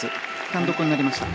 単独になりました。